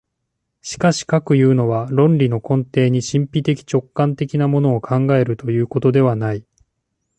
しかしかくいうのは、論理の根底に神秘的直観的なものを考えるということではない。